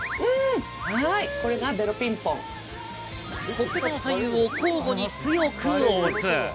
ほっぺたの左右を交互に強く押す。